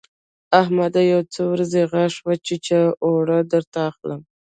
احمده! يو څو ورځې غاښ وچيچه؛ اوړه درته اخلم.